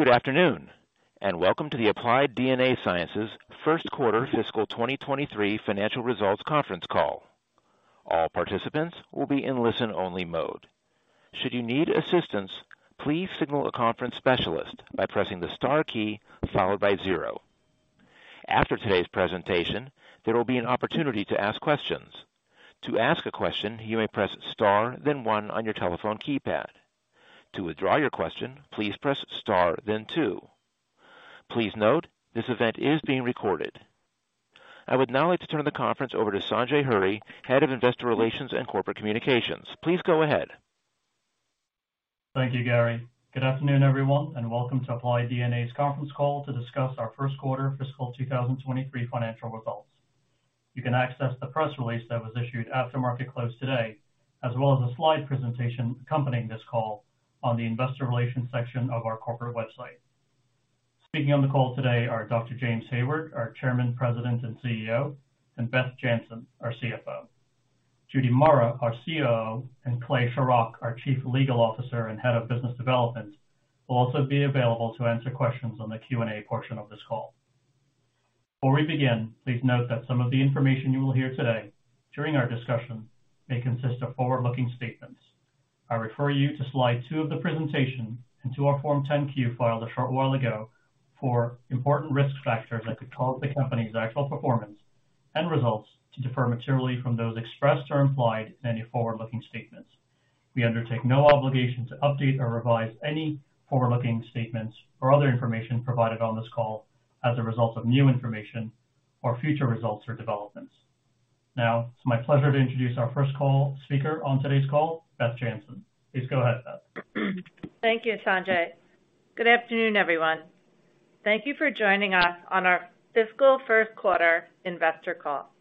Good afternoon, welcome to the Applied DNA Sciences first quarter fiscal 2023 financial results conference call. All participants will be in listen-only mode. Should you need assistance, please signal a conference specialist by pressing the star key followed by zero. After today's presentation, there will be an opportunity to ask questions. To ask a question, you may press star, then one on your telephone keypad. To withdraw your question, please press star then two. Please note, this event is being recorded. I would now like to turn the conference over to Sanjay Hurry, Head of Investor Relations and Corporate Communications. Please go ahead. Thank you, Gary. Good afternoon, everyone, and welcome to Applied DNA's conference call to discuss our first quarter fiscal 2023 financial results. You can access the press release that was issued after market close today, as well as a slide presentation accompanying this call on the investor relations section of our corporate website. Speaking on the call today are Dr. James Hayward, our Chairman, President, and CEO, and Beth Jantzen, our CFO. Judy Murrah, our COO, and Clay Shorrock, our Chief Legal Officer and Head of Business Development, will also be available to answer questions on the Q&A portion of this call. Before we begin, please note that some of the information you will hear today during our discussion may consist of forward-looking statements. I refer you to slide two of the presentation and to our Form 10-Q filed a short while ago for important risk factors that could cause the company's actual performance and results to differ materially from those expressed or implied in any forward-looking statements. We undertake no obligation to update or revise any forward-looking statements or other information provided on this call as a result of new information or future results or developments. Now, it's my pleasure to introduce our first call speaker on today's call, Beth Jantzen. Please go ahead, Beth. Thank you, Sanjay. Good afternoon, everyone. Thank you for joining us on our fiscal first quarter investor call.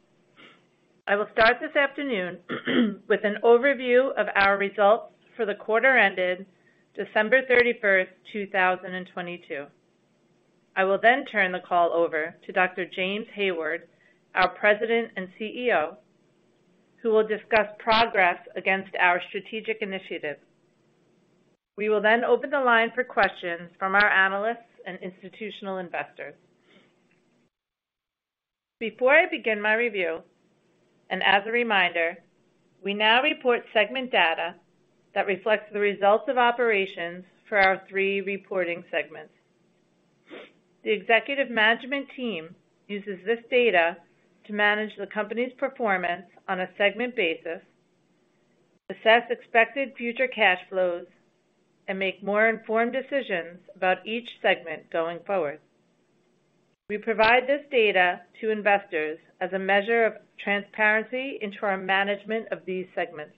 I will start this afternoon with an overview of our results for the quarter ended December 31st, 2022. I will turn the call over to Dr. James Hayward, our President and CEO, who will discuss progress against our strategic initiatives. We will open the line for questions from our analysts and institutional investors. Before I begin my review, as a reminder, we now report segment data that reflects the results of operations for our three reporting segments. The executive management team uses this data to manage the company's performance on a segment basis, assess expected future cash flows, and make more informed decisions about each segment going forward. We provide this data to investors as a measure of transparency into our management of these segments.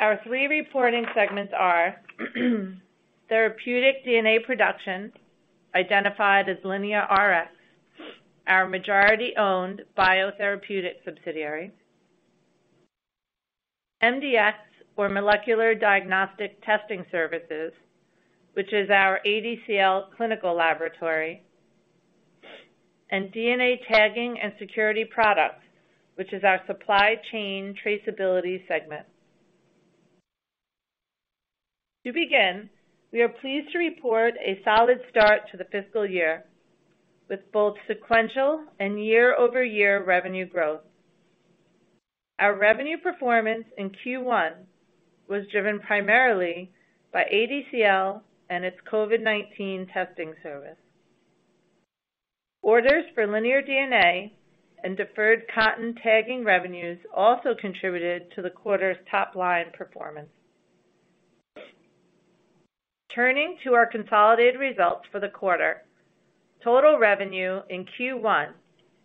Our three reporting segments are therapeutic DNA production, identified as LineaRx, our majority-owned biotherapeutic subsidiary, MDx or Molecular Diagnostic testing services, which is our ADCL clinical laboratory, and DNA tagging and security products, which is our supply chain traceability segment. To begin, we are pleased to report a solid start to the fiscal year, with both sequential and year-over-year revenue growth. Our revenue performance in Q1 was driven primarily by ADCL and its COVID-19 testing service. Orders for LinearDNA and deferred cotton tagging revenues also contributed to the quarter's top-line performance. Turning to our consolidated results for the quarter, total revenue in Q1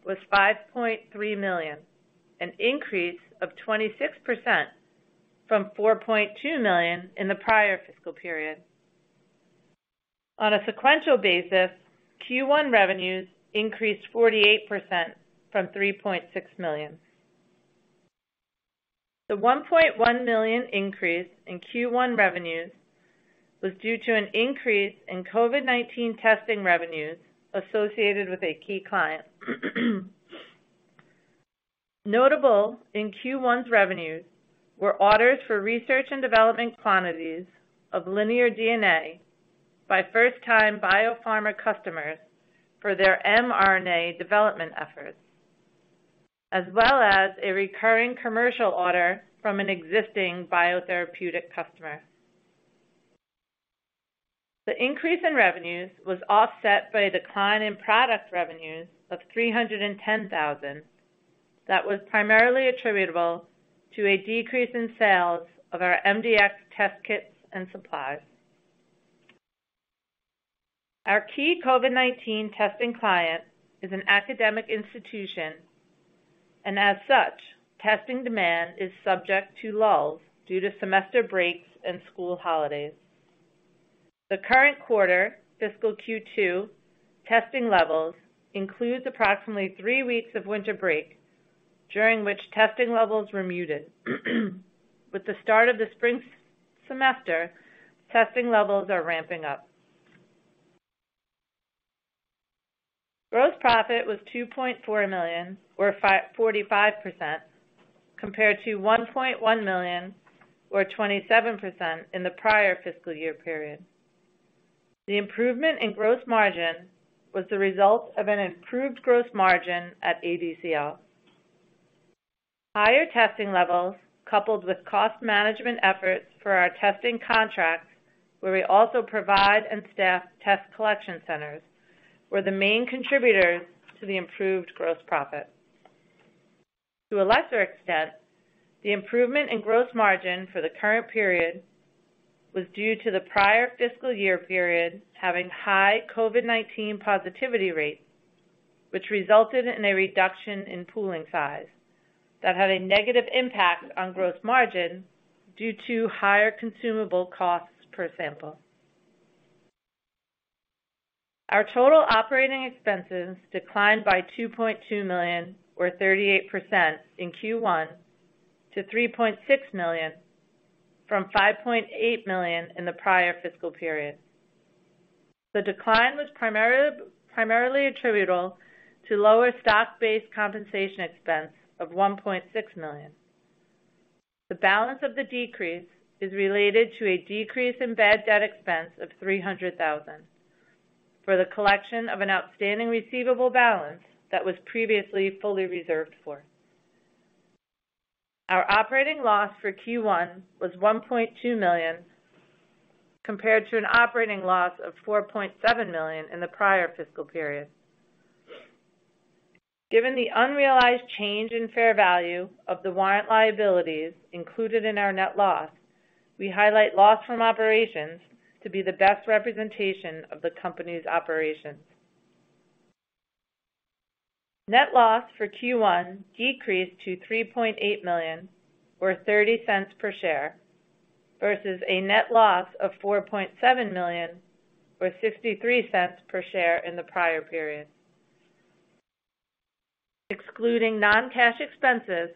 was $5.3 million, an increase of 26% from $4.2 million in the prior fiscal period. On a sequential basis, Q1 revenues increased 48% from $3.6 million. The $1.1 million increase in Q1 revenues was due to an increase in COVID-19 testing revenues associated with a key client. Notable in Q1's revenues were orders for research and development quantities of LinearDNA by first-time biopharma customers for their mRNA development efforts, as well as a recurring commercial order from an existing biotherapeutic customer. The increase in revenues was offset by a decline in product revenues of $310,000 that was primarily attributable to a decrease in sales of our MDx test kits and supplies. Our key COVID-19 testing client is an academic institution. As such, testing demand is subject to lulls due to semester breaks and school holidays. The current quarter, fiscal Q2 testing levels includes approximately three weeks of winter break, during which testing levels were muted. With the start of the spring semester, testing levels are ramping up. Gross profit was $2.4 million or 45% compared to $1.1 million or 27% in the prior fiscal year period. The improvement in gross margin was the result of an improved gross margin at ADCL. Higher testing levels, coupled with cost management efforts for our testing contracts, where we also provide and staff test collection centers, were the main contributors to the improved gross profit. To a lesser extent, the improvement in gross margin for the current period was due to the prior fiscal year period having high COVID-19 positivity rates, which resulted in a reduction in pooling size that had a negative impact on gross margin due to higher consumable costs per sample. Our total operating expenses declined by $2.2 million or 38% in Q1 to $3.6 million from $5.8 million in the prior fiscal period. The decline was primarily attributable to lower stock-based compensation expense of $1.6 million. The balance of the decrease is related to a decrease in bad debt expense of $300,000 for the collection of an outstanding receivable balance that was previously fully reserved for. Our operating loss for Q1 was $1.2 million, compared to an operating loss of $4.7 million in the prior fiscal period. Given the unrealized change in fair value of the warrant liabilities included in our net loss, we highlight loss from operations to be the best representation of the company's operations. Net loss for Q1 decreased to $3.8 million or $0.30 per share, versus a net loss of $4.7 million or $0.53 per share in the prior period. Excluding non-cash expenses,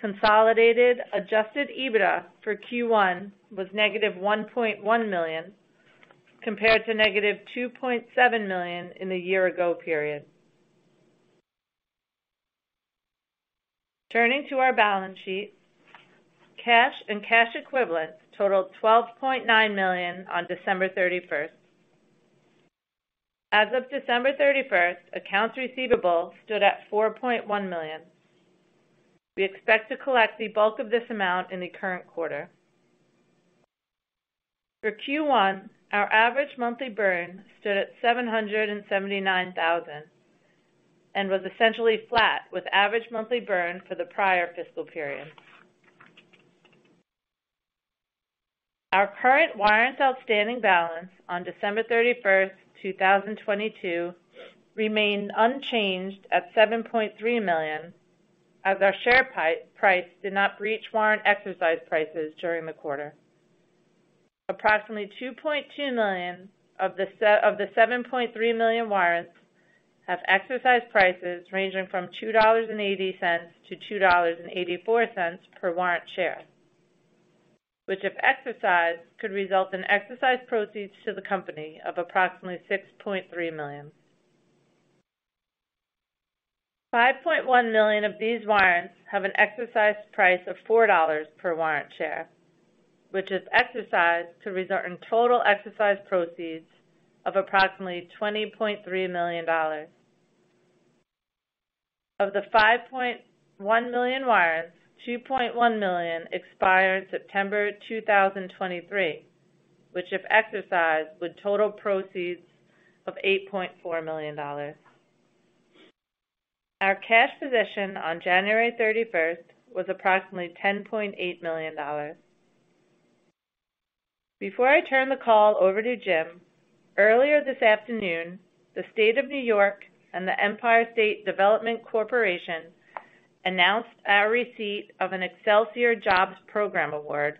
consolidated adjusted EBITDA for Q1 was -$1.1 million, compared to -$2.7 million in the year-ago period. Turning to our balance sheet. Cash and cash equivalents totaled $12.9 million on December 31st. As of December 31st, accounts receivable stood at $4.1 million. We expect to collect the bulk of this amount in the current quarter. For Q1, our average monthly burn stood at $779,000 and was essentially flat with average monthly burn for the prior fiscal period. Our current warrants outstanding balance on December 31st, 2022 remained unchanged at $7.3 million as our share price did not breach warrant exercise prices during the quarter. Approximately $2.2 million of the $7.3 million warrants have exercise prices ranging from $2.80-$2.84 per warrant share, which, if exercised, could result in exercise proceeds to the company of approximately $6.3 million. $5.1 million of these warrants have an exercise price of $4 per warrant share, which is exercised to result in total exercise proceeds of approximately $20.3 million. Of the $5.1 million warrants, $2.1 million expire September 2023, which, if exercised, with total proceeds of $8.4 million. Our cash position on January 31st was approximately $10.8 million. Before I turn the call over to Jim, earlier this afternoon, the New York State and the Empire State Development Corporation announced our receipt of an Excelsior Jobs Program award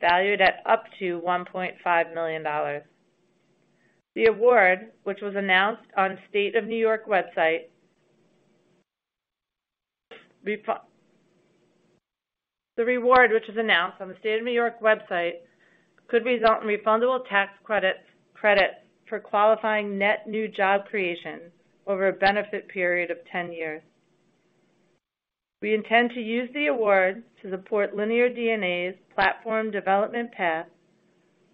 valued at up to $1.5 million. The award, which was announced on the New York State website, could result in refundable tax credits for qualifying net new job creation over a benefit period of 10 years. We intend to use the award to support LinearDNA's platform development path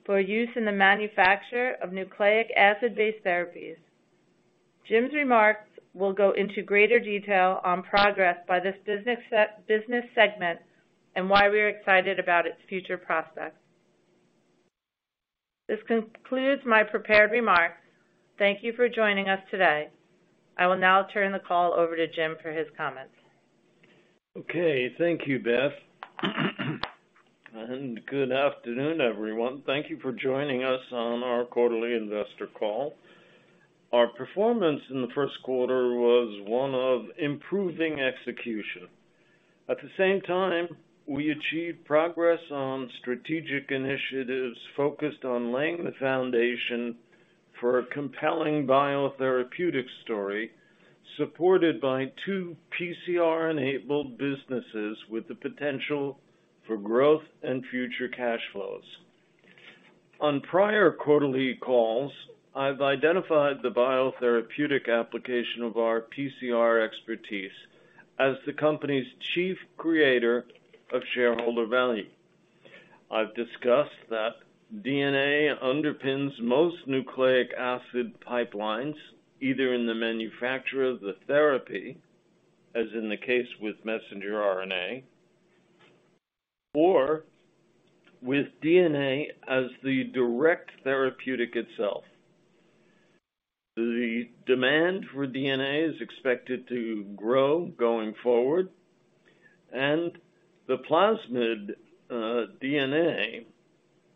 for use in the manufacture of nucleic acid-based therapies. Jim's remarks will go into greater detail on progress by this business segment and why we're excited about its future process. This concludes my prepared remarks. Thank you for joining us today. I will now turn the call over to Jim for his comments. Okay. Thank you, Beth. Good afternoon, everyone. Thank you for joining us on our quarterly investor call. Our performance in the first quarter was one of improving execution. At the same time, we achieved progress on strategic initiatives focused on laying the foundation for a compelling biotherapeutic story, supported by two PCR-enabled businesses with the potential for growth and future cash flows. On prior quarterly calls, I've identified the biotherapeutic application of our PCR expertise as the company's chief creator of shareholder value. I've discussed that DNA underpins most nucleic acid pipelines, either in the manufacture of the therapy, as in the case with messenger RNA, or with DNA as the direct therapeutic itself. The demand for DNA is expected to grow going forward. The plasmid DNA,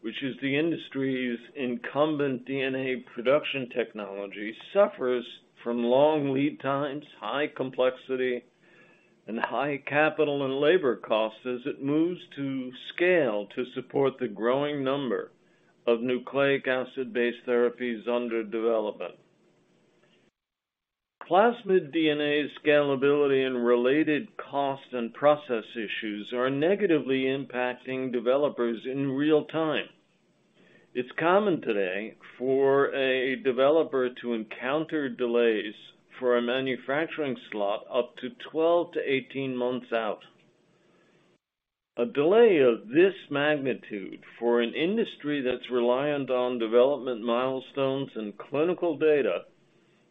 which is the industry's incumbent DNA production technology, suffers from long lead times, high complexity, and high capital and labor costs as it moves to scale to support the growing number of nucleic acid-based therapies under development. Plasmid DNA scalability and related cost and process issues are negatively impacting developers in real time. It's common today for a developer to encounter delays for a manufacturing slot up to 12-18 months out. A delay of this magnitude for an industry that's reliant on development milestones and clinical data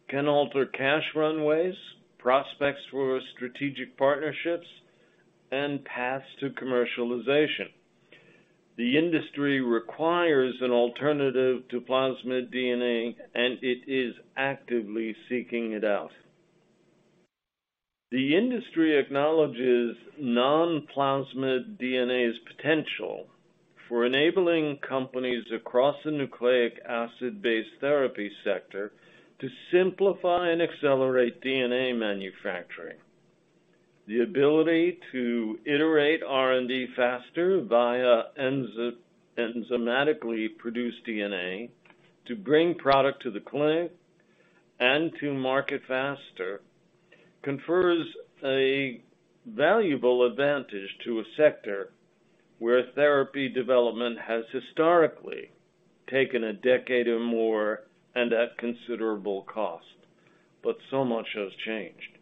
can alter cash runways, prospects for strategic partnerships, and paths to commercialization. The industry requires an alternative to plasmid DNA. It is actively seeking it out. The industry acknowledges non-plasmid DNA's potential for enabling companies across a nucleic acid-based therapy sector to simplify and accelerate DNA manufacturing. The ability to iterate R&D faster via enzymatically produced DNA to bring product to the clinic and to market faster confers a valuable advantage to a sector where therapy development has historically taken a decade or more and at considerable cost. So much has changed.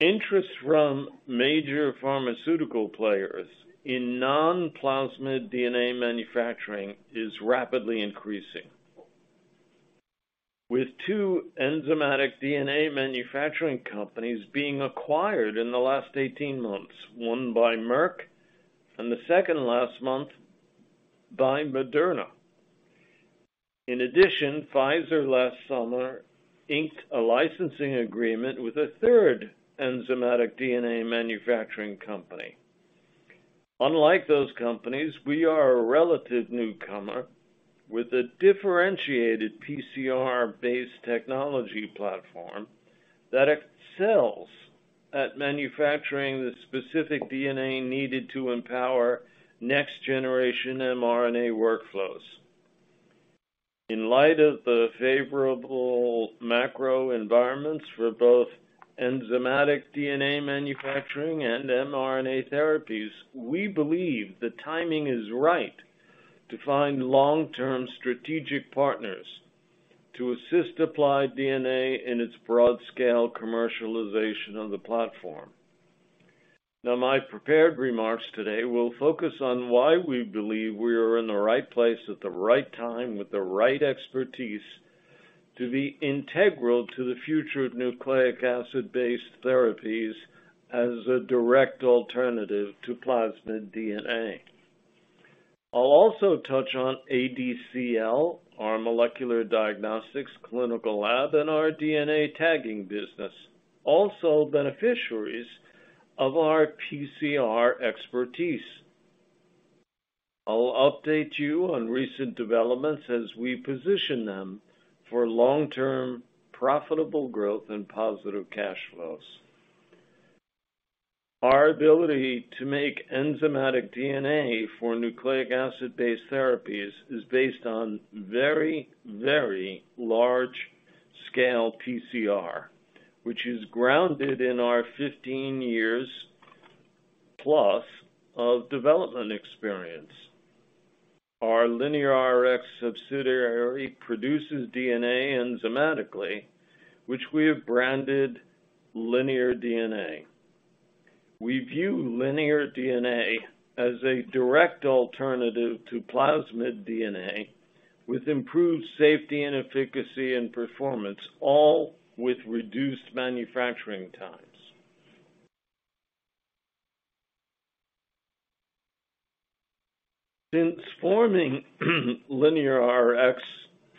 Interest from major pharmaceutical players in non-plasmid DNA manufacturing is rapidly increasing, with two enzymatic DNA manufacturing companies being acquired in the last 18 months, one by Merck and the second last month by Moderna. In addition, Pfizer last summer inked a licensing agreement with a third enzymatic DNA manufacturing company. Unlike those companies, we are a relative newcomer with a differentiated PCR-based technology platform that excels at manufacturing the specific DNA needed to empower next-generation mRNA workflows. In light of the favorable macro environments for both enzymatic DNA manufacturing and mRNA therapies, we believe the timing is right to find long-term strategic partners to assist Applied DNA in its broad-scale commercialization of the platform. Now, my prepared remarks today will focus on why we believe we are in the right place at the right time with the right expertise to be integral to the future of nucleic acid-based therapies as a direct alternative to plasmid DNA. I'll also touch on ADCL, our molecular diagnostics clinical lab, and our DNA tagging business, also beneficiaries of our PCR expertise. I'll update you on recent developments as we position them for long-term profitable growth and positive cash flows. Our ability to make enzymatic DNA for nucleic acid-based therapies is based on very, very large-scale PCR, which is grounded in our 15+ years of development experience. Our LineaRx subsidiary produces DNA enzymatically, which we have branded LinearDNA. We view LinearDNA as a direct alternative to plasmid DNA with improved safety and efficacy and performance, all with reduced manufacturing times. Since forming LineaRx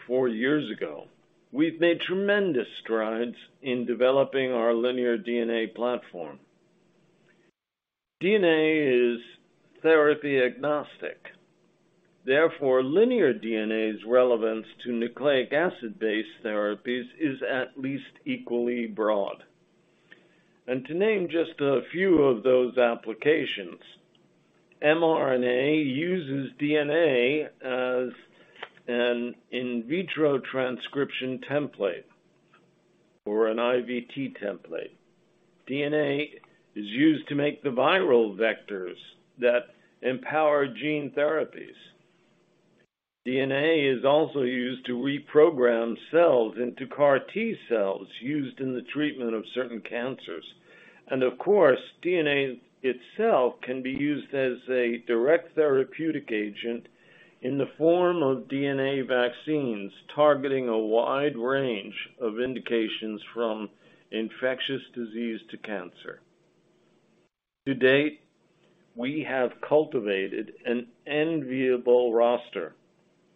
four years ago, we've made tremendous strides in developing our LinearDNA platform. DNA is therapy-agnostic, therefore, LinearDNA's relevance to nucleic acid-based therapies is at least equally broad. To name just a few of those applications, mRNA uses DNA as an in vitro transcription template. Or an IVT template. DNA is used to make the viral vectors that empower gene therapies. DNA is also used to reprogram cells into CAR T cells used in the treatment of certain cancers. Of course, DNA itself can be used as a direct therapeutic agent in the form of DNA vaccines, targeting a wide range of indications from infectious disease to cancer. To date, we have cultivated an enviable roster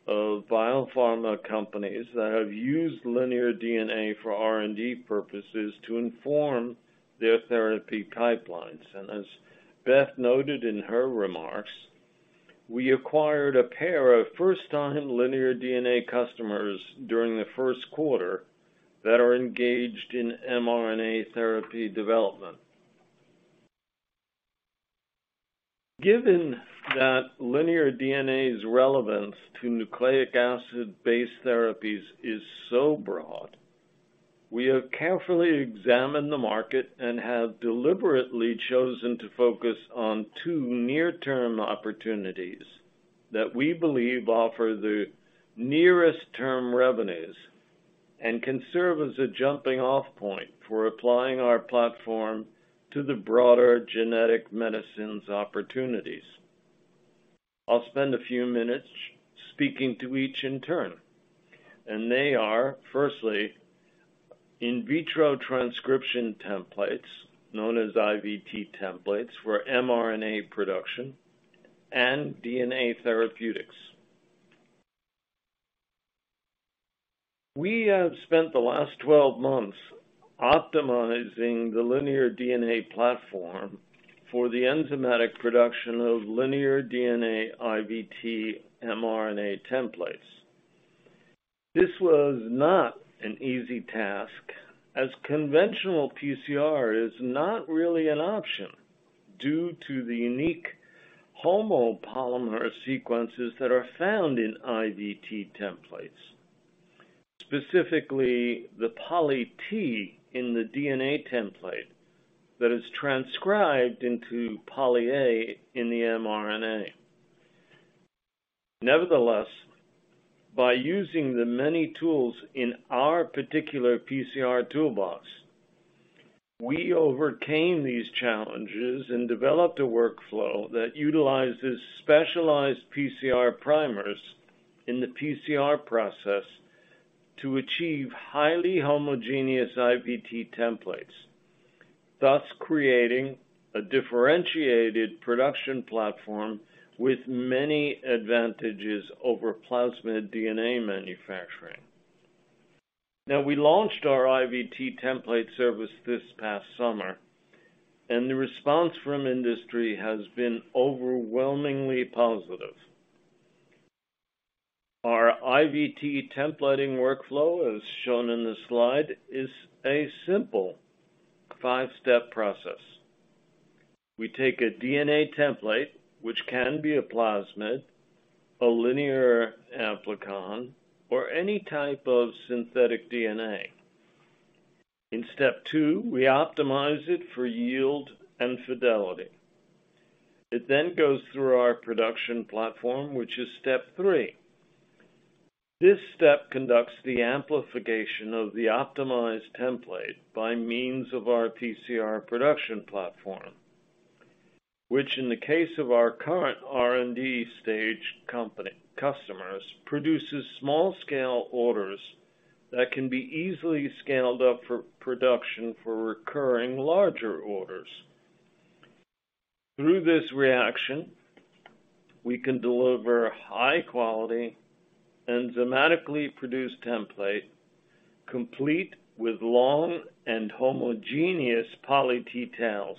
of biopharma companies that have used LinearDNA for R&D purposes to inform their therapy pipelines. As Beth Jantzen noted in her remarks, we acquired a pair of first-time LinearDNA customers during the first quarter that are engaged in mRNA therapy development. Given that LinearDNA's relevance to nucleic acid-based therapies is so broad, we have carefully examined the market and have deliberately chosen to focus on two near-term opportunities that we believe offer the nearest term revenues and can serve as a jumping-off point for applying our platform to the broader genetic medicines opportunities. I'll spend a few minutes speaking to each in turn. They are, firstly, in vitro transcription templates, known as IVT templates, for mRNA production and DNA therapeutics. We have spent the last 12 months optimizing the LinearDNA platform for the enzymatic production of LinearDNA IVT mRNA templates. This was not an easy task, as conventional PCR is not really an option due to the unique homopolymer sequences that are found in IVT templates, specifically the poly-T in the DNA template that is transcribed into poly-A in the mRNA. Nevertheless, by using the many tools in our particular PCR toolbox, we overcame these challenges and developed a workflow that utilizes specialized PCR primers in the PCR process to achieve highly homogeneous IVT templates, thus creating a differentiated production platform with many advantages over plasmid DNA manufacturing. We launched our IVT template service this past summer, and the response from industry has been overwhelmingly positive. Our IVT templating workflow, as shown in the slide, is a simple five-step process. We take a DNA template, which can be a plasmid, a linear amplicon, or any type of synthetic DNA. In step two, we optimize it for yield and fidelity. It goes through our production platform, which is step three. This step conducts the amplification of the optimized template by means of our PCR production platform, which, in the case of our current R&D stage company customers, produces small-scale orders that can be easily scaled up for production for recurring larger orders. Through this reaction, we can deliver high quality, enzymatically produced template, complete with long and homogeneous poly-T tails.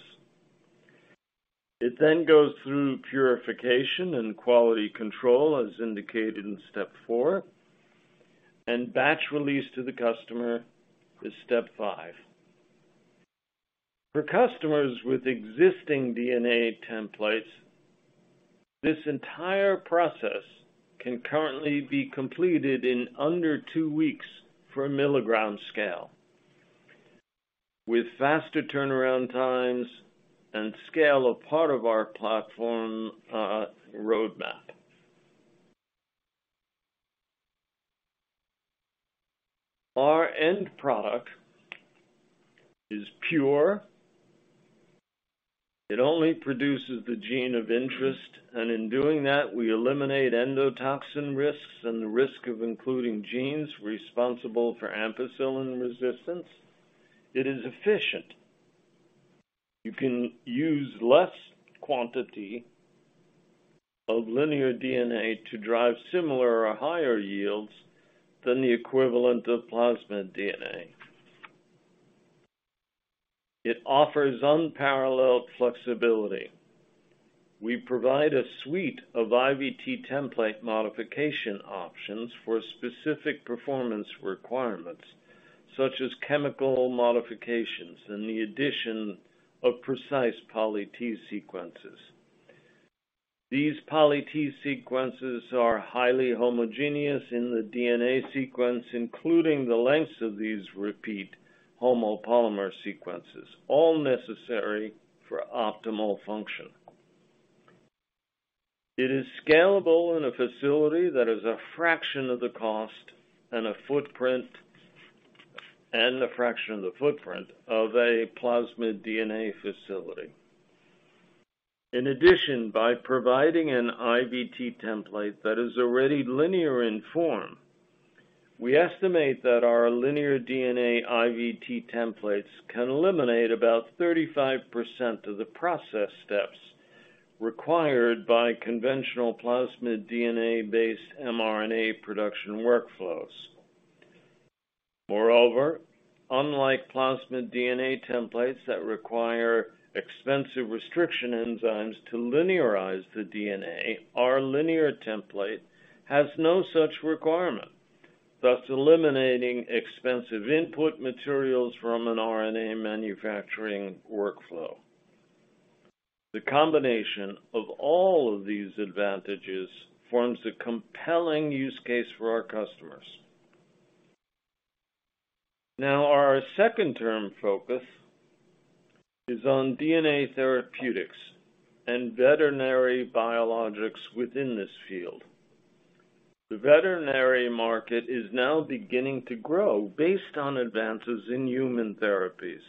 It then goes through purification and quality control, as indicated in step four, and batch release to the customer is step five. For customers with existing DNA templates, this entire process can currently be completed in under two weeks for a milligram scale, with faster turnaround times and scale a part of our platform roadmap. Our end product is pure. It only produces the gene of interest, and in doing that, we eliminate endotoxin risks and the risk of including genes responsible for ampicillin resistance. It is efficient. You can use less quantity of LinearDNA to drive similar or higher yields than the equivalent of plasmid DNA. It offers unparalleled flexibility. We provide a suite of IVT template modification options for specific performance requirements, such as chemical modifications and the addition of precise poly-T sequences. These poly-T sequences are highly homogeneous in the DNA sequence, including the lengths of these repeat homopolymer sequences, all necessary for optimal function. It is scalable in a facility that is a fraction of the cost and a footprint, and a fraction of the footprint of a plasmid DNA facility. In addition, by providing an IVT template that is already linear in form, we estimate that our LinearDNA IVT templates can eliminate about 35% of the process steps required by conventional plasmid DNA-based mRNA production workflows. Moreover, unlike plasmid DNA templates that require expensive restriction enzymes to linearize the DNA, our linear template has no such requirement, thus eliminating expensive input materials from an RNA manufacturing workflow. The combination of all of these advantages forms a compelling use case for our customers. Our second term focus is on DNA therapeutics and veterinary biologics within this field. The veterinary market is now beginning to grow based on advances in human therapies.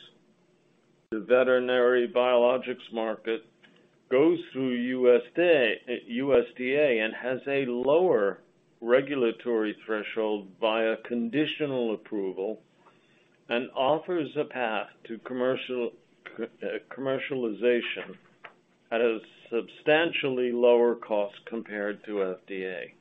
The veterinary biologics market goes through USDA and has a lower regulatory threshold via conditional approval and offers a path to commercialization at a substantially lower cost compared to FDA.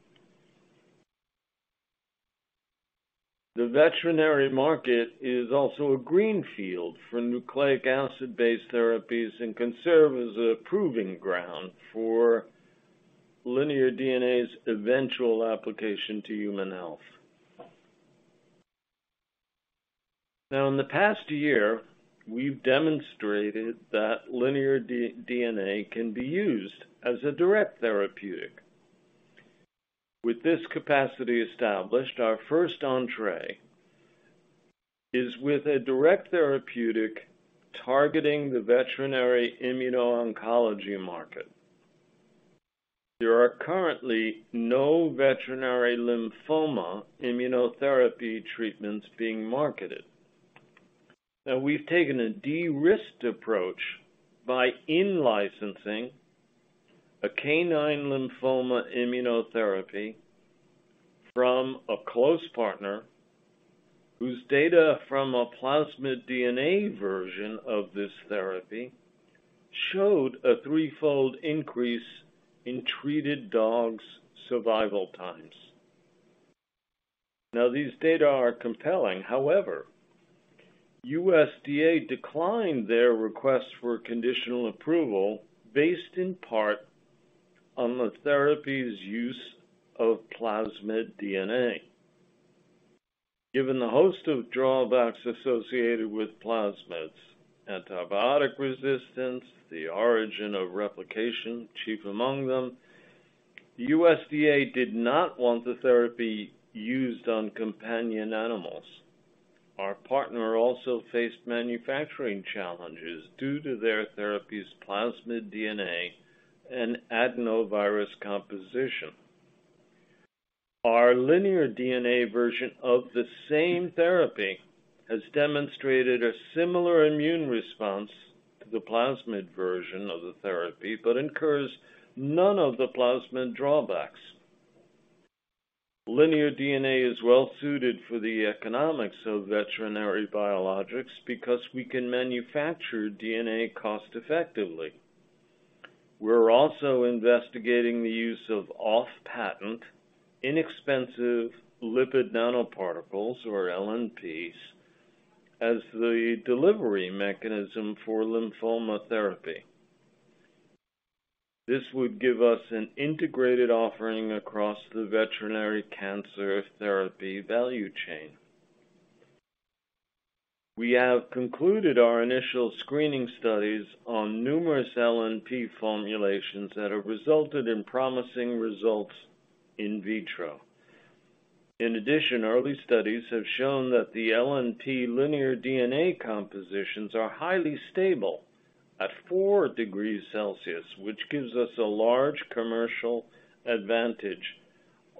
The veterinary market is also a greenfield for nucleic acid-based therapies and can serve as a proving ground for LinearDNA's eventual application to human health. In the past year, we've demonstrated that LinearDNA can be used as a direct therapeutic. With this capacity established, our first entrée is with a direct therapeutic targeting the veterinary immuno-oncology market. There are currently no veterinary lymphoma immunotherapy treatments being marketed. We've taken a de-risked approach by in-licensing a canine lymphoma immunotherapy from a close partner whose data from a plasmid DNA version of this therapy showed a threefold increase in treated dogs' survival times. These data are compelling. However, USDA declined their request for conditional approval based in part on the therapy's use of plasmid DNA. Given the host of drawbacks associated with plasmids, antibiotic resistance, the origin of replication, chief among them, USDA did not want the therapy used on companion animals. Our partner also faced manufacturing challenges due to their therapy's plasmid DNA and adenovirus composition. Our LinearDNA version of the same therapy has demonstrated a similar immune response to the plasmid version of the therapy, but incurs none of the plasmid drawbacks. LinearDNA is well-suited for the economics of veterinary biologics because we can manufacture DNA cost-effectively. We're also investigating the use of off-patent, inexpensive lipid nanoparticles or LNPs as the delivery mechanism for lymphoma therapy. This would give us an integrated offering across the veterinary cancer therapy value chain. We have concluded our initial screening studies on numerous LNP formulations that have resulted in promising results in vitro. Early studies have shown that the LNP LinearDNA compositions are highly stable at four degrees Celsius, which gives us a large commercial advantage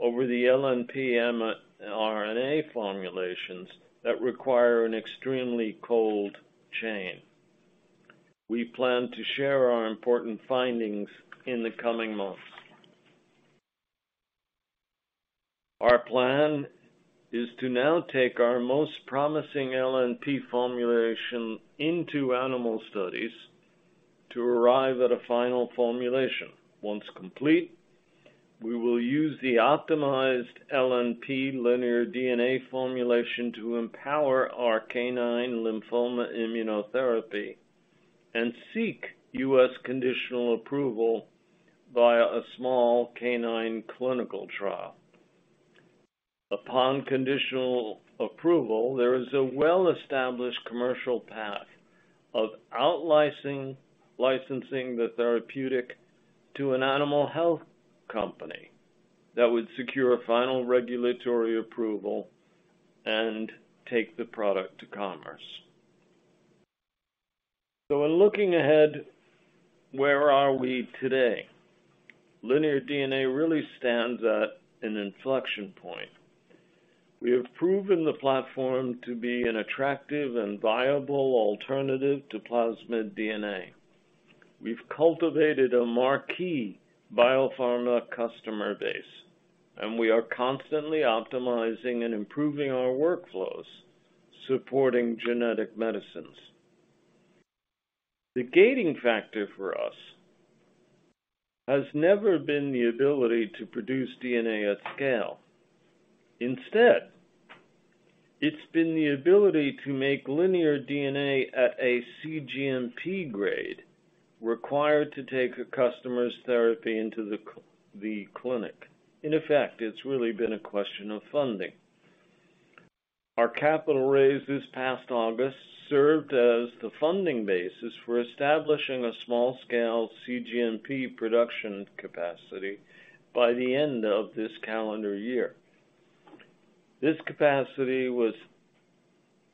over the LNP mRNA formulations that require an extremely cold chain. We plan to share our important findings in the coming months. Our plan is to now take our most promising LNP formulation into animal studies to arrive at a final formulation. Once complete, we will use the optimized LNP LinearDNA formulation to empower our canine lymphoma immunotherapy and seek U.S. conditional approval via a small canine clinical trial. Upon conditional approval, there is a well-established commercial path of out-licensing the therapeutic to an animal health company that would secure final regulatory approval and take the product to commerce. In looking ahead, where are we today? LinearDNA really stands at an inflection point. We have proven the platform to be an attractive and viable alternative to plasmid DNA. We've cultivated a marquee biopharma customer base, and we are constantly optimizing and improving our workflows, supporting genetic medicines. The gating factor for us has never been the ability to produce DNA at scale. Instead, it's been the ability to make LinearDNA at a cGMP grade required to take a customer's therapy into the clinic. In effect, it's really been a question of funding. Our capital raise this past August served as the funding basis for establishing a small-scale cGMP production capacity by the end of this calendar year. This capacity was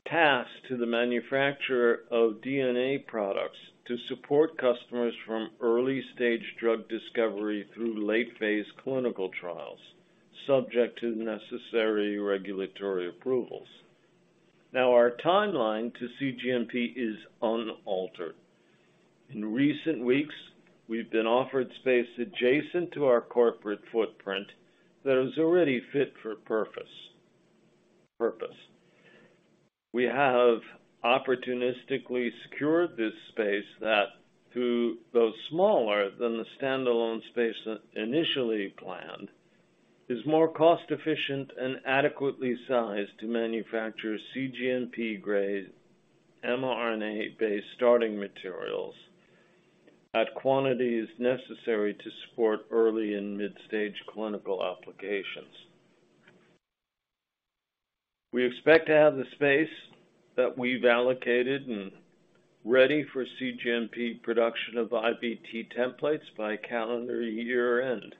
tasked to the manufacturer of DNA products to support customers from early-stage drug discovery through late-phase clinical trials, subject to necessary regulatory approvals. Now, our timeline to cGMP is unaltered. In recent weeks, we've been offered space adjacent to our corporate footprint that is already fit for purpose. We have opportunistically secured this space that, though smaller than the standalone space initially planned, is more cost-efficient and adequately sized to manufacture cGMP-grade mRNA-based starting materials at quantities necessary to support early and mid-stage clinical applications. We expect to have the space that we've allocated and ready for cGMP production of IVT templates by calendar year-end.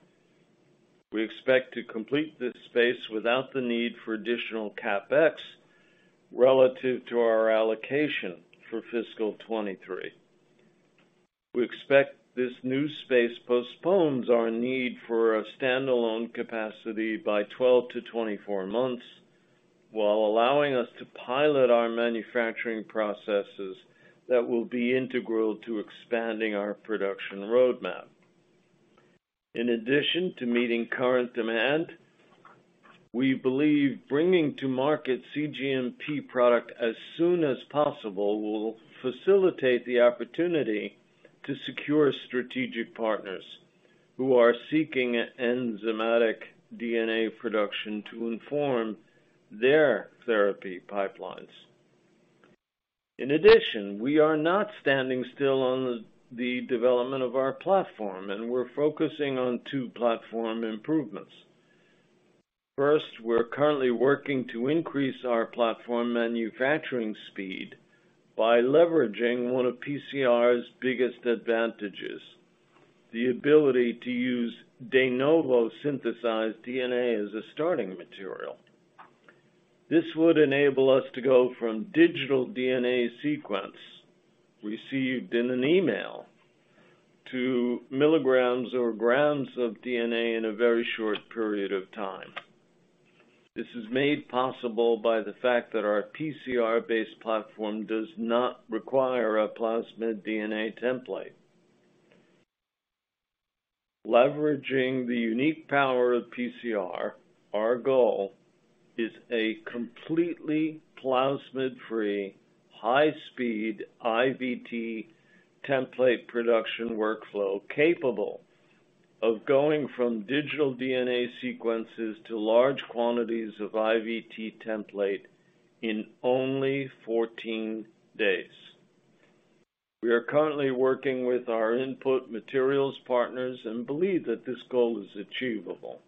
We expect to complete this space without the need for additional CapEx relative to our allocation for fiscal 2023. We expect this new space postpones our need for a standalone capacity by 12-24 months while allowing us to pilot our manufacturing processes that will be integral to expanding our production roadmap. In addition to meeting current demand, we believe bringing to market cGMP product as soon as possible will facilitate the opportunity to secure strategic partners who are seeking enzymatic DNA production to inform their therapy pipelines. In addition, we are not standing still on the development of our platform, and we're focusing on two platform improvements. First, we're currently working to increase our platform manufacturing speed by leveraging one of PCR's biggest advantages, the ability to use de novo synthesized DNA as a starting material. This would enable us to go from digital DNA sequence received in an email to milligrams or grams of DNA in a very short period of time. This is made possible by the fact that our PCR-based platform does not require a plasmid DNA template. Leveraging the unique power of PCR, our goal is a completely plasmid-free, high-speed IVT template production workflow capable of going from digital DNA sequences to large quantities of IVT template in only 14 days. We are currently working with our input materials partners and believe that this goal is achievable.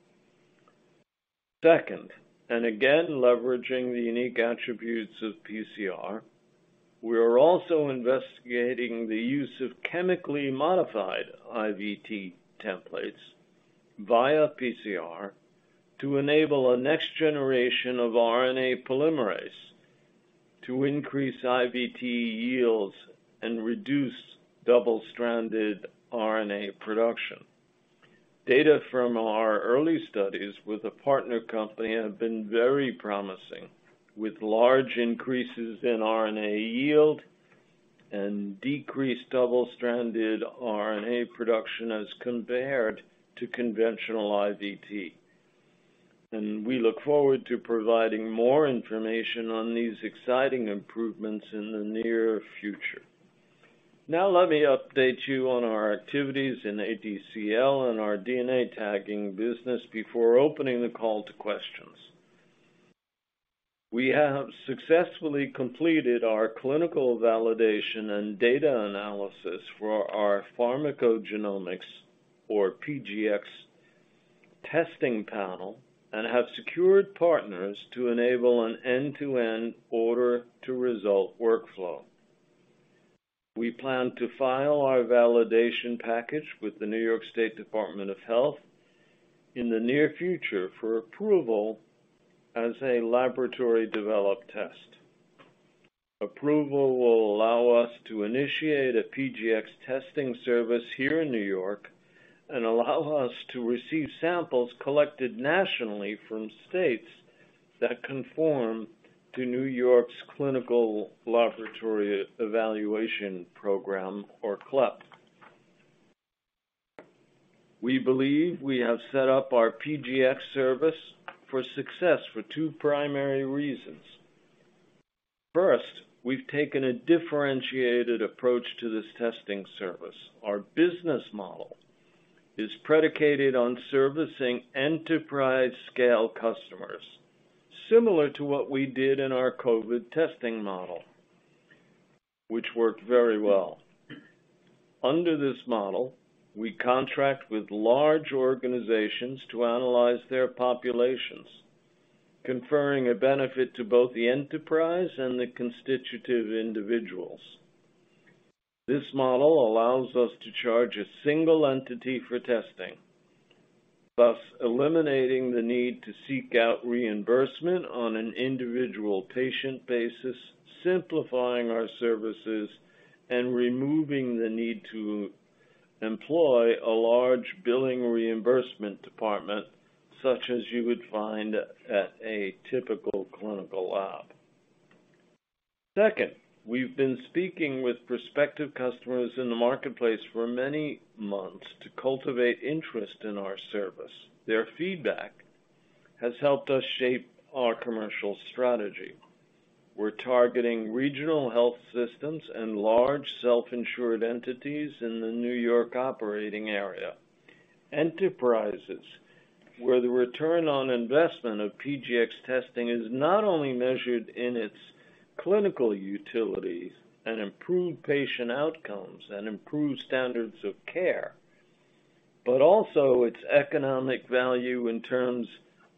Second, and again leveraging the unique attributes of PCR, we are also investigating the use of chemically modified IVT templates via PCR to enable a next generation of RNA polymerase to increase IVT yields and reduce double-stranded RNA production. Data from our early studies with a partner company have been very promising, with large increases in RNA yield and decreased double-stranded RNA production as compared to conventional IVT. We look forward to providing more information on these exciting improvements in the near future. Now let me update you on our activities in ADCL and our DNA tagging business before opening the call to questions. We have successfully completed our clinical validation and data analysis for our pharmacogenomics or PGx testing panel and have secured partners to enable an end-to-end order-to-result workflow. We plan to file our validation package with the New York State Department of Health in the near future for approval as a laboratory-developed test. Approval will allow us to initiate a PGx testing service here in New York and allow us to receive samples collected nationally from states that conform to New York's Clinical Laboratory Evaluation Program or CLEP. We believe we have set up our PGx service for success for two primary reasons. First, we've taken a differentiated approach to this testing service. Our business model is predicated on servicing enterprise-scale customers, similar to what we did in our COVID testing model, which worked very well. Under this model, we contract with large organizations to analyze their populations, conferring a benefit to both the enterprise and the constitutive individuals. This model allows us to charge a single entity for testing, thus eliminating the need to seek out reimbursement on an individual patient basis, simplifying our services, and removing the need to employ a large billing reimbursement department, such as you would find at a typical clinical lab. Second, we've been speaking with prospective customers in the marketplace for many months to cultivate interest in our service. Their feedback has helped us shape our commercial strategy. We're targeting regional health systems and large self-insured entities in the New York operating area. Enterprises where the return on investment of PGx testing is not only measured in its clinical utilities and improved patient outcomes and improved standards of care, but also its economic value in terms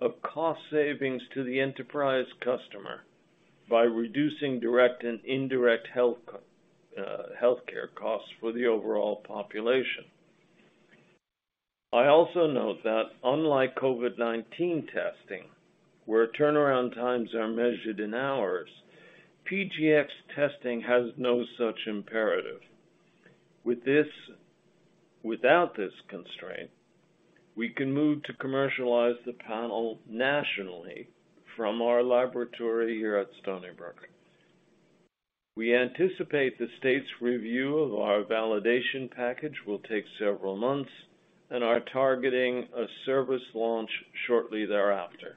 of cost savings to the enterprise customer by reducing direct and indirect healthcare costs for the overall population. I also note that unlike COVID-19 testing, where turnaround times are measured in hours, PGx testing has no such imperative. Without this constraint, we can move to commercialize the panel nationally from our laboratory here at Stony Brook. We anticipate the state's review of our validation package will take several months and are targeting a service launch shortly thereafter.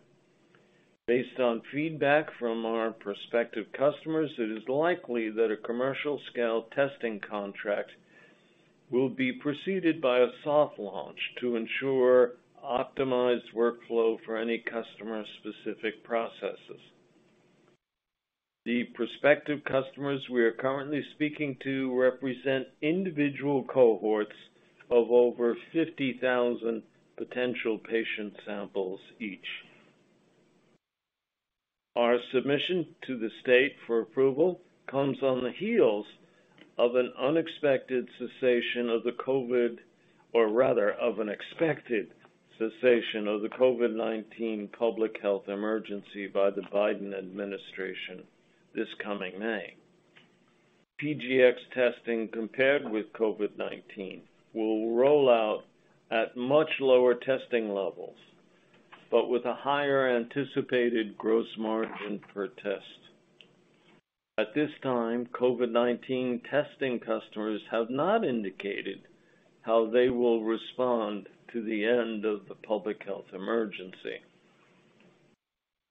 Based on feedback from our prospective customers, it is likely that a commercial-scale testing contract will be preceded by a soft launch to ensure optimized workflow for any customer-specific processes. The prospective customers we are currently speaking to represent individual cohorts of over 50,000 potential patient samples each. Our submission to the state for approval comes on the heels of an expected cessation of the COVID-19 public health emergency by the Biden administration this coming May. PGx testing compared with COVID-19 will roll out at much lower testing levels, but with a higher anticipated gross margin per test. At this time, COVID-19 testing customers have not indicated how they will respond to the end of the public health emergency.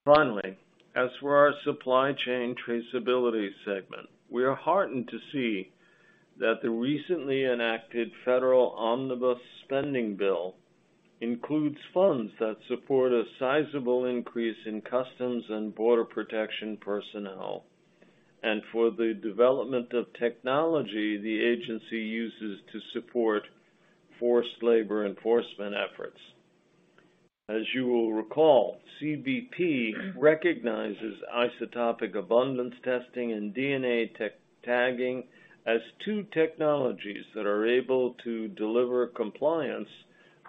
Finally, as for our supply chain traceability segment, we are heartened to see that the recently enacted Federal Omnibus Spending Bill includes funds that support a sizable increase in Customs and Border Protection personnel and for the development of technology the agency uses to support forced labor enforcement efforts. You will recall, CBP recognizes isotopic abundance testing and DNA tagging as two technologies that are able to deliver compliance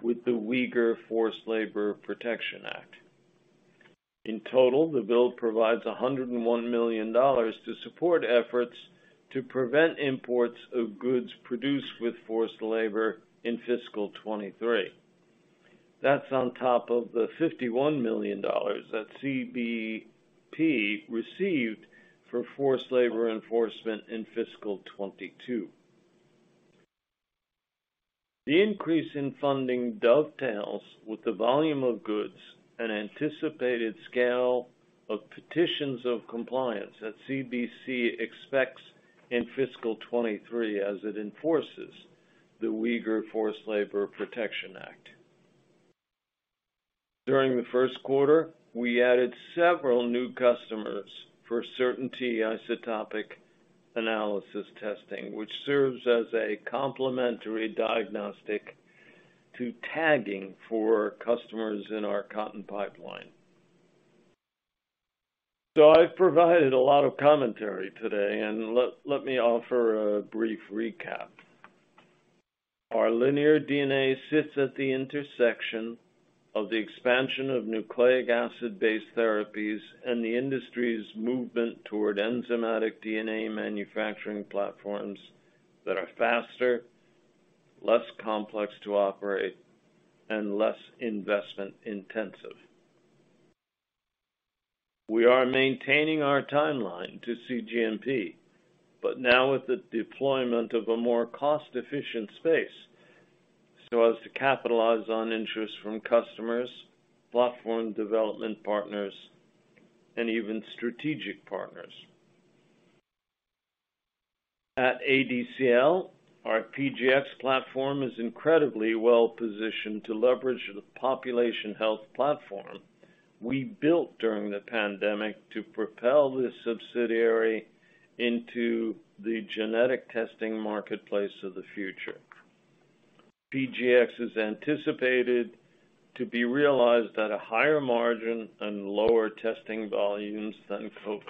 with the Uyghur Forced Labor Prevention Act. In total, the bill provides $101 million to support efforts to prevent imports of goods produced with forced labor in fiscal 2023. That's on top of the $51 million that CBP received for forced labor enforcement in fiscal 2022. The increase in funding dovetails with the volume of goods and anticipated scale of petitions of compliance that CBP expects in fiscal 2023 as it enforces the Uyghur Forced Labor Prevention Act. During the first quarter, we added several new customers for CertainT isotopic analysis testing, which serves as a complementary diagnostic to tagging for customers in our cotton pipeline. I've provided a lot of commentary today, and let me offer a brief recap. Our LinearDNA sits at the intersection of the expansion of nucleic acid-based therapies and the industry's movement toward enzymatic DNA manufacturing platforms that are faster, less complex to operate, and less investment intensive. We are maintaining our timeline to cGMP, but now with the deployment of a more cost-efficient space, so as to capitalize on interest from customers, platform development partners, and even strategic partners. At ADCL, our PGx platform is incredibly well-positioned to leverage the population health platform we built during the pandemic to propel this subsidiary into the genetic testing marketplace of the future. PGx is anticipated to be realized at a higher margin and lower testing volumes than COVID.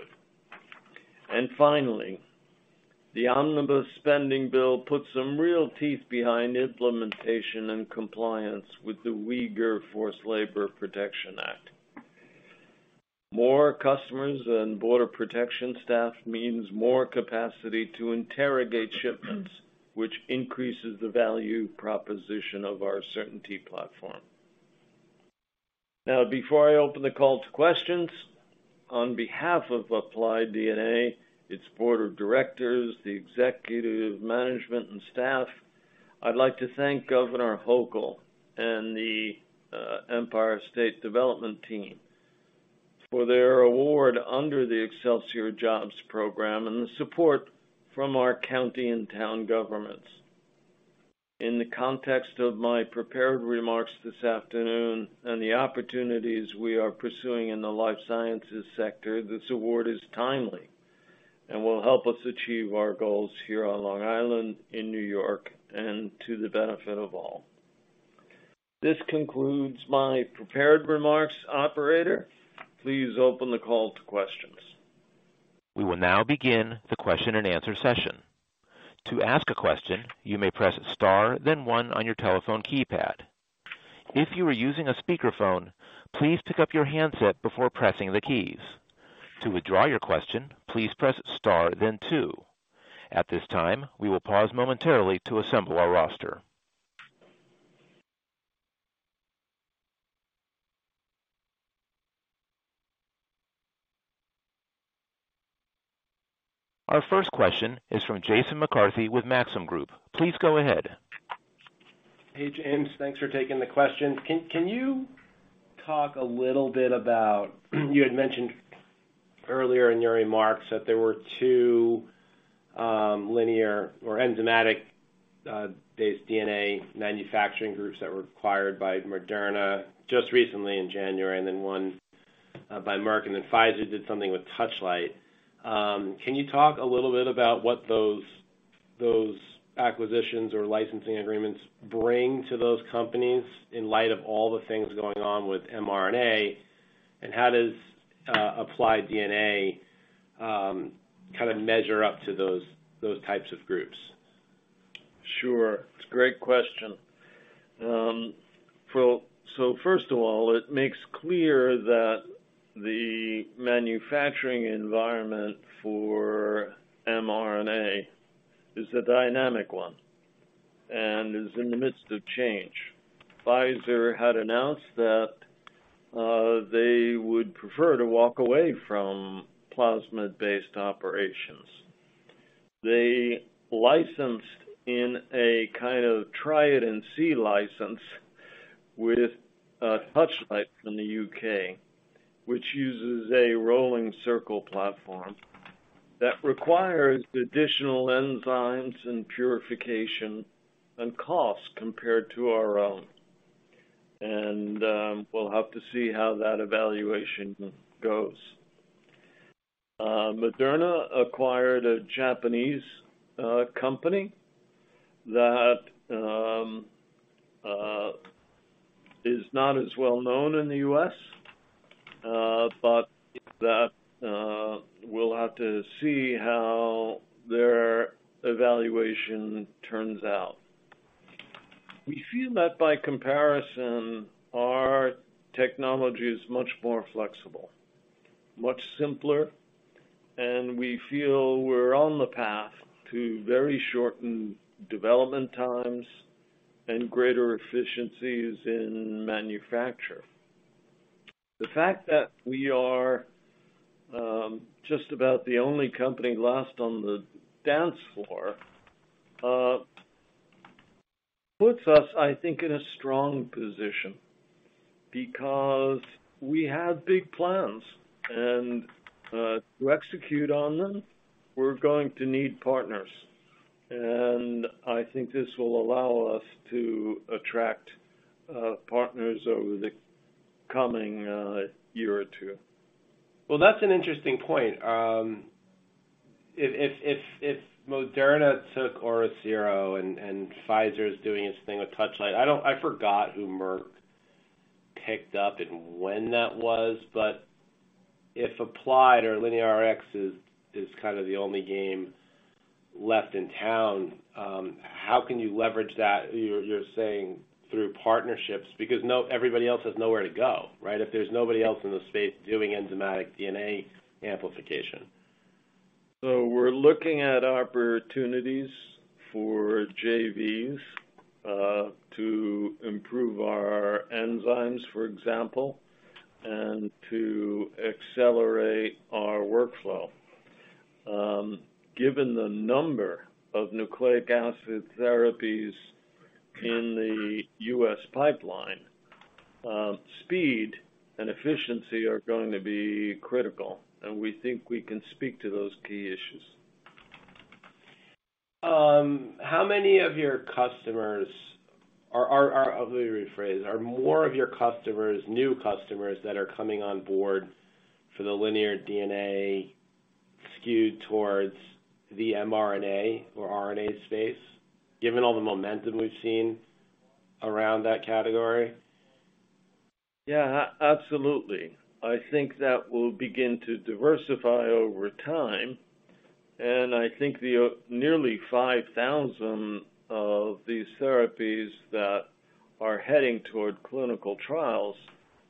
The omnibus spending bill puts some real teeth behind implementation and compliance with the Uyghur Forced Labor Prevention Act. More customers and border protection staff means more capacity to interrogate shipments, which increases the value proposition of our CertainT platform. Before I open the call to questions, on behalf of Applied DNA, its board of directors, the executive management and staff, I'd like to thank Governor Hochul and the Empire State Development team for their award under the Excelsior Jobs Program and the support from our county and town governments. In the context of my prepared remarks this afternoon and the opportunities we are pursuing in the life sciences sector, this award is timely and will help us achieve our goals here on Long Island in New York and to the benefit of all. This concludes my prepared remarks. Operator, please open the call to questions. We will now begin the question and answer session. To ask a question, you may press star then one on your telephone keypad. If you are using a speakerphone, please pick up your handset before pressing the keys. To withdraw your question, please press star then two. At this time, we will pause momentarily to assemble our roster. Our first question is from Jason McCarthy with Maxim Group. Please go ahead. Hey, James. Thanks for taking the question. Can you talk a little bit about, you had mentioned earlier in your remarks that there were two linear or enzymatic based DNA manufacturing groups that were acquired by Moderna just recently in January, and then one by Merck, and then Pfizer did something with Touchlight. Can you talk a little bit about what those acquisitions or licensing agreements bring to those companies in light of all the things going on with mRNA? How does Applied DNA kinda measure up to those types of groups? Sure. It's a great question. Well, first of all, it makes clear that the manufacturing environment for mRNA is a dynamic one and is in the midst of change. Pfizer had announced that they would prefer to walk away from plasmid-based operations. They licensed in a kind of try it and see license with Touchlight from the U.K., which uses a rolling circle platform that requires additional enzymes and purification and cost compared to our own. We'll have to see how that evaluation goes. Moderna acquired a Japanese company that is not as well known in the U.S., but that we'll have to see how their evaluation turns out. We feel that by comparison, our technology is much more flexible, much simpler, and we feel we're on the path to very shortened development times and greater efficiencies in manufacture. The fact that we are just about the only company last on the dance floor puts us, I think, in a strong position because we have big plans. To execute on them, we're going to need partners. I think this will allow us to attract partners over the coming year or two. That's an interesting point. If Moderna took OriCiro and Pfizer's doing its thing with Touchlight, I forgot who Merck picked up and when that was, but if Applied DNA or LineaRx is kinda the only game left in town, how can you leverage that you're saying through partnerships? Because everybody else has nowhere to go, right? If there's nobody else in the space doing enzymatic DNA amplification. We're looking at opportunities for JVs to improve our enzymes, for example, and to accelerate our workflow. Given the number of nucleic acid therapies in the U.S. pipeline, speed and efficiency are going to be critical, and we think we can speak to those key issues. Are more of your customers new customers that are coming on board for the LinearDNA skewed towards the mRNA or RNA space, given all the momentum we've seen around that category? Yeah, absolutely. I think that will begin to diversify over time, and I think the nearly 5,000 of these therapies that are heading toward clinical trials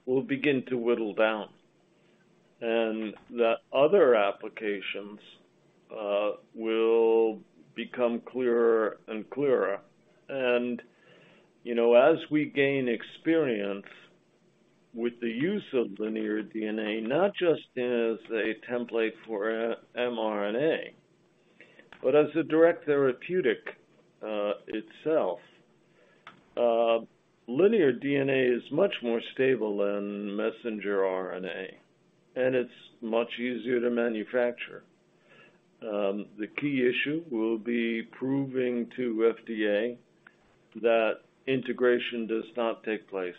will begin to whittle down, and the other applications will become clearer and clearer. You know, as we gain experience with the use of LinearDNA, not just as a template for mRNA, but as a direct therapeutic itself. LinearDNA is much more stable than messenger RNA, and it's much easier to manufacture. The key issue will be proving to FDA that integration does not take place.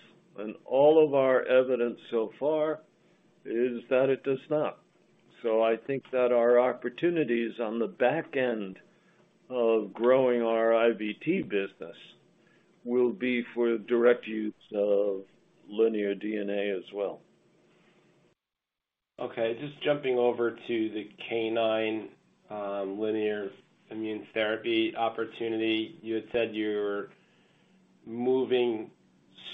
All of our evidence so far is that it does not. I think that our opportunities on the back end of growing our IVT business will be for direct use of LinearDNA as well. Okay, just jumping over to the canine lymphoma immunotherapy opportunity. You had said you're moving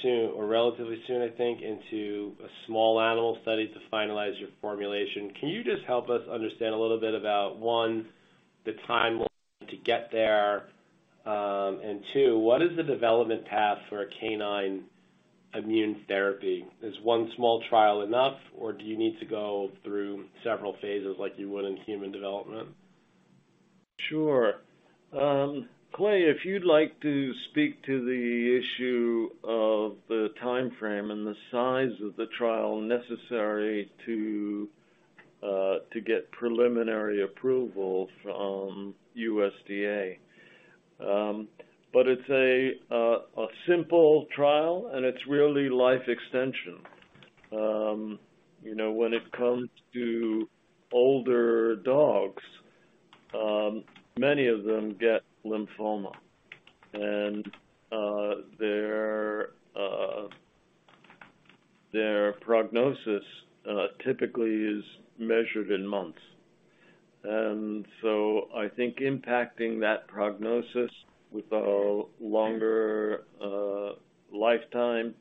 soon or relatively soon, I think, into a small animal study to finalize your formulation. Can you just help us understand a little bit about one, the timeline to get there? two, what is the development path for a canine immune therapy? Is one small trial enough, or do you need to go through several phases like you would in human development? Sure. Clay, if you'd like to speak to the issue of the timeframe and the size of the trial necessary to get preliminary approval from USDA. It's a simple trial, and it's really life extension. You know, when it comes to older dogs, many of them get lymphoma. Their prognosis typically is measured in months. I think impacting that prognosis with a longer lifetime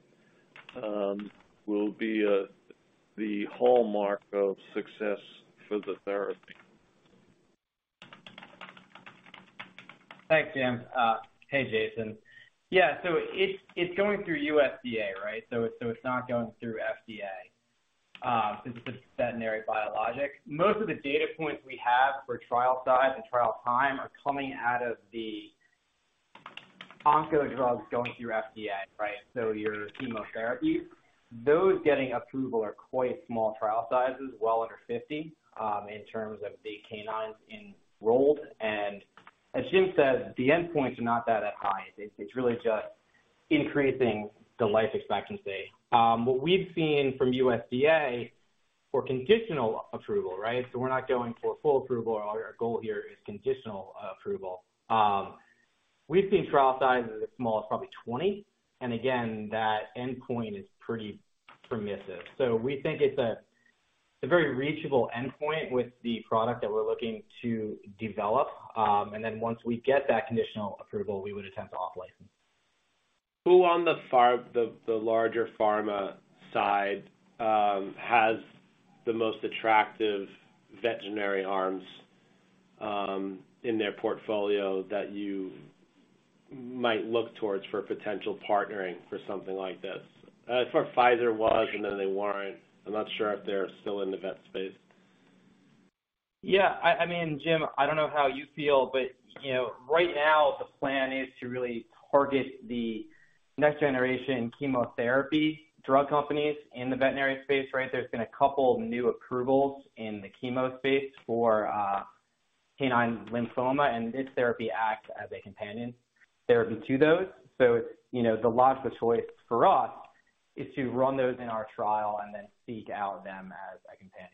will be the hallmark of success for the therapy. Thanks, Jim. Hey, Jason. Yeah, it's going through USDA, right? It's not going through FDA, since it's a veterinary biologic. Most of the data points we have for trial size and trial time are coming out of the onco drugs going through FDA, right? Your chemotherapies. Those getting approval are quite small trial sizes, well under 50, in terms of the canines enrolled. As Jim said, the endpoints are not that high. It's really just increasing the life expectancy. What we've seen from USDA for conditional approval, right? We're not going for full approval. Our goal here is conditional approval. We've seen trial sizes as small as probably 20. Again, that endpoint is pretty permissive. We think it's a very reachable endpoint with the product that we're looking to develop. Once we get that conditional approval, we would attempt to off-license. Who on the larger pharma side has the most attractive veterinary arms in their portfolio that you might look towards for potential partnering for something like this? I thought Pfizer was, and then they weren't. I'm not sure if they're still in the vet space. Yeah. I mean, Jim, I don't know how you feel, but, you know, right now to really target the next-generation chemotherapy drug companies in the veterinary space. Right? There's been a couple new approvals in the chemo space for canine lymphoma, and this therapy acts as a companion therapy to those. It's, you know, the logical choice for us is to run those in our trial and then seek out them as a companion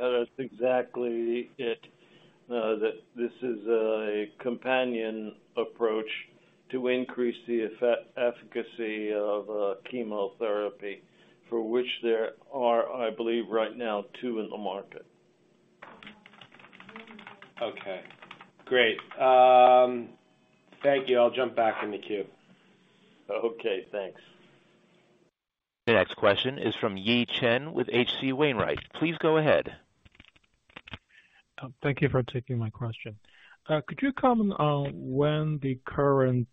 therapy. That's exactly it. That this is a companion approach to increase the efficacy of chemotherapy for which there are, I believe, right now, two in the market. Okay, great. Thank you. I'll jump back in the queue. Okay, thanks. The next question is from Yi Chen with H.C. Wainwright & Co. Please go ahead. Thank you for taking my question. Could you comment on when the current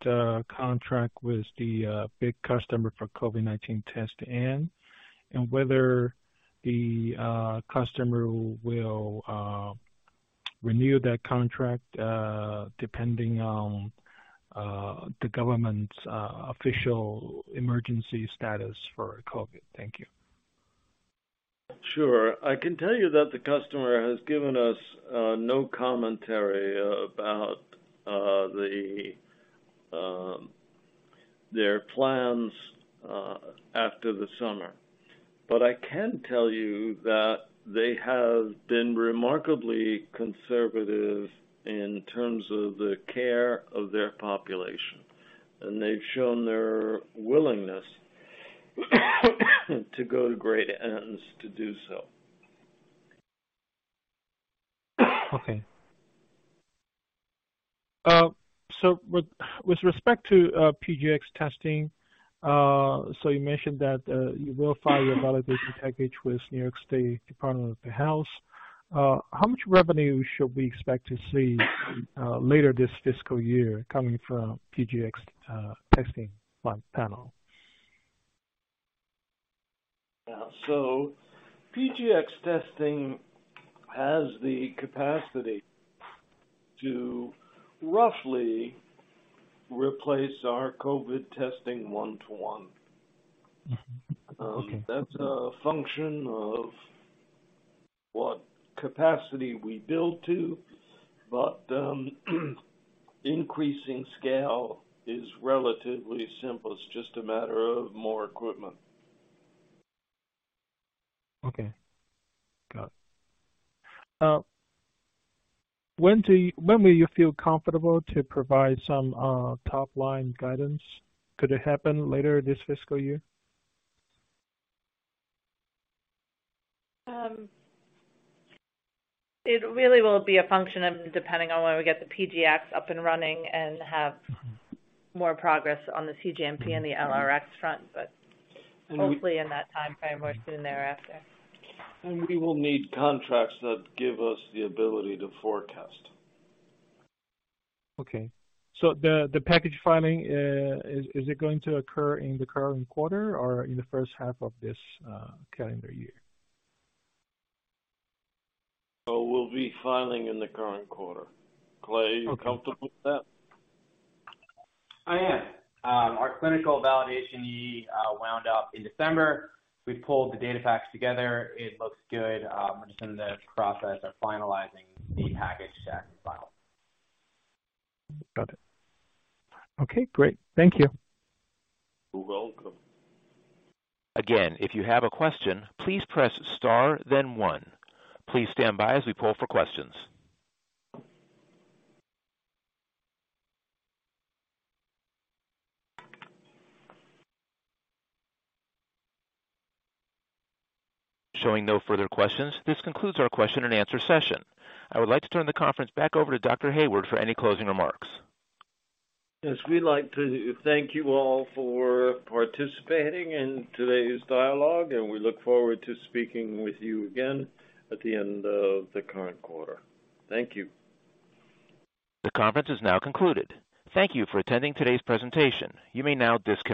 contract with the big customer for COVID-19 test end, and whether the customer will renew that contract, depending on the government's official emergency status for COVID? Thank you. Sure. I can tell you that the customer has given us no commentary about the their plans after the summer. I can tell you that they have been remarkably conservative in terms of the care of their population, and they've shown their willingness to go to great ends to do so. Okay. With respect to PGx testing, you mentioned that you will file your validation package with New York State Department of Health. How much revenue should we expect to see later this fiscal year coming from PGx testing by panel? Yeah. PGx testing has the capacity to roughly replace our COVID testing one-to-one. Mm-hmm. Okay. That's a function of what capacity we build to, but increasing scale is relatively simple. It's just a matter of more equipment. Okay. Got it. When will you feel comfortable to provide some top-line guidance? Could it happen later this fiscal year? It really will be a function of depending on when we get the PGx up and running and have more progress on the cGMP and the LineaRx front. But hopefully in that timeframe or soon thereafter. We will need contracts that give us the ability to forecast. Okay. The package filing, is it going to occur in the current quarter or in the first half of this calendar year? We'll be filing in the current quarter. Clay, are you comfortable with that? I am. Our clinical validation wound up in December. We pulled the data packs together. It looks good. We're just in the process of finalizing the package set file. Got it. Okay, great. Thank you. You're welcome. Again, if you have a question, please press star then one. Please stand by as we poll for questions. Showing no further questions, this concludes our question and answer session. I would like to turn the conference back over to Dr. Hayward for any closing remarks. Yes, we'd like to thank you all for participating in today's dialogue. We look forward to speaking with you again at the end of the current quarter. Thank you. The conference is now concluded. Thank you for attending today's presentation. You may now disconnect.